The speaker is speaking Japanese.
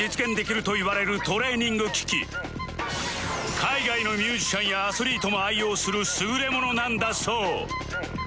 海外のミュージシャンやアスリートも愛用する優れものなんだそう